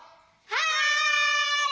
はい！